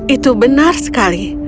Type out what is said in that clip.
itu benar sekali